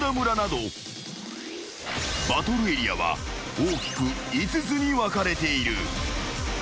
［バトルエリアは大きく５つに分かれている］